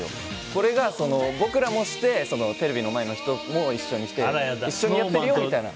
これが僕らもして、テレビの前の人も一緒にして一緒にやってるよみたいな。